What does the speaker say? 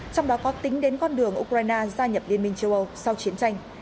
trong đó có tính đến con đường ukraine gia nhập liên minh châu âu sau chiến tranh